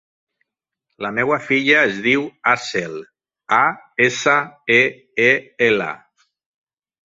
La meva filla es diu Aseel: a, essa, e, e, ela.